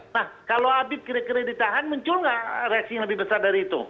nah kalau abib kira kira ditahan muncul enggak reaksi yang lebih besar dari itu